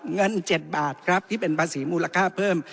เงิน๗บาทครับที่เป็นภาษีมูลค่าเพิ่ม